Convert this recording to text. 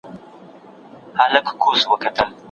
هغه وویل چي د څېړونکي بریا په پرله پسې کار کي ده.